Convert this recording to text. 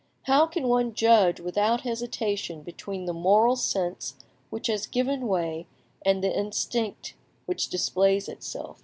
How can one judge without hesitation between the moral sense which has given way and the instinct which displays itself?